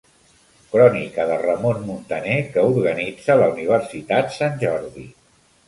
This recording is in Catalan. Crònica de Ramon Muntaner que organitza la Universitat Sant Jordi.